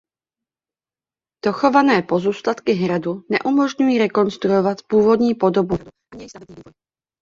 Dochované pozůstatky hradu neumožňují rekonstruovat původní podobu hradu ani její stavební vývoj.